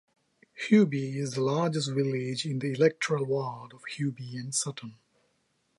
Huby is the largest village in the electoral ward of Huby and Sutton.